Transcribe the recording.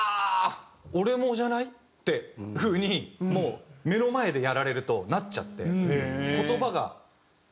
俺もじゃない？っていう風にもう目の前でやられるとなっちゃって。